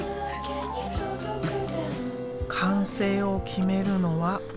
完成を決めるのは私。